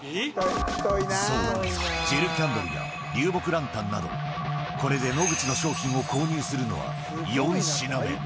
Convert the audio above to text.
そう、ジェルキャンドルや流木ランタンなど、これで野口の商品を購入するのは４品目。